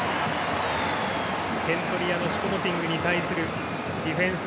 点取り屋のシュポモティングに対するディフェンス。